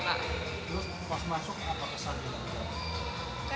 terus pas masuk apa kesan juga